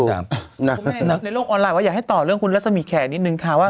ผมมีในโลกออนไลน์ว่าอยากต่อเรื่องคุณรัชสมิแขะนิดหนึ่งค่ะ